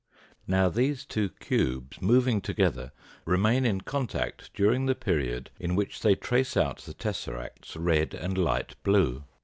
Now these two cubes moving together remain in contact during the period in which they trace out the tesseracts red and light blue.